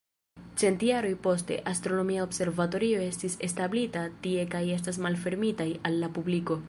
Cent jaroj poste, astronomia observatorio estis establita tie kaj estas malfermitaj al la publiko.